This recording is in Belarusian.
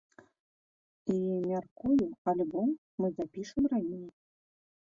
І, мяркую, альбом мы запішам раней.